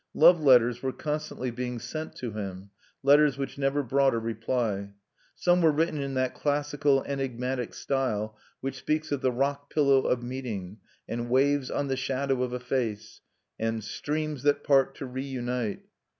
Love letters were constantly being sent to him, letters which never brought a reply. Some were written in that classical enigmatic style which speaks of "the Rock Pillow of Meeting," and "waves on the shadow of a face," and "streams that part to reunite."